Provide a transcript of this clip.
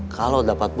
yang ini udah kecium